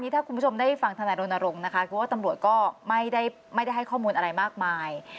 ถ้าคุณผู้ชมได้ฟังถนัดโรนโรงคือว่าตำรวจก็ไม่ได้ให้ข้อมูลอะไรมากมาย